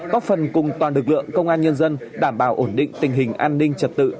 góp phần cùng toàn lực lượng công an nhân dân đảm bảo ổn định tình hình an ninh trật tự